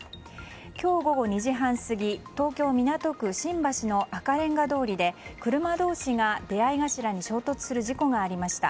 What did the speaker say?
今日午後２時半過ぎ東京・港区新橋の赤レンガ通りで車同士が出合い頭に衝突する事故がありました。